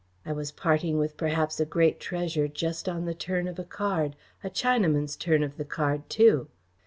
I was parting with perhaps a great treasure just on the turn of a card a Chinaman's turn of the card, too."